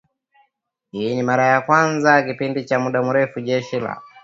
Hii ni mara ya kwanza katika kipindi cha muda mrefu Jeshi la